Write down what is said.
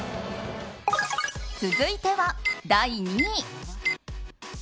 続いては第２位。